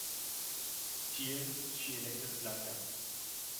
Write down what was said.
Tie ŝi elektis Blankan.